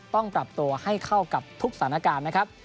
ต้องปรับตัวให้เข้ากับทุกสถานการณ์นะครับ